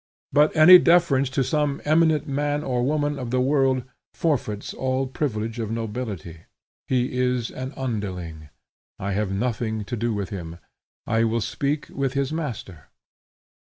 But any deference to some eminent man or woman of the world, forfeits all privilege of nobility. He is an underling: I have nothing to do with him; I will speak with his master.